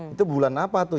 itu bulan apa tuh